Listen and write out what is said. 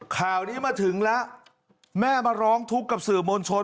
ข่าวนี้มาถึงแล้วแม่มาร้องทุกข์กับสื่อมวลชน